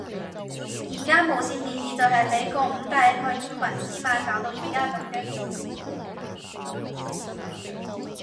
而家無線電視就係被嗰五大害群之馬搞到而家噉嘅款